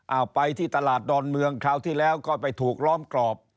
เอาไปที่ตลาดดอนเมืองคราวที่แล้วก็ไปถูกล้อมกรอบ